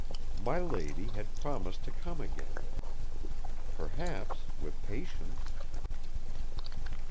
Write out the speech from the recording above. My lady had promised to come again. Perhaps, with patience